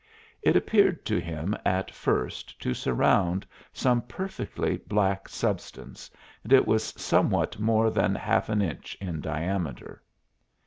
It appeared to him at first to surround some perfectly black substance, and it was somewhat more than a half inch in diameter.